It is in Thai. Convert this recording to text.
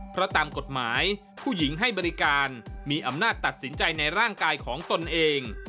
เพราะตามกฎหมายผู้หญิงให้บริการมีอำนาจตัดสินใจในร่างกายของตนเอง